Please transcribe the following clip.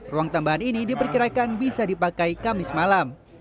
ruang tambahan ini diperkirakan bisa dipakai kamis malam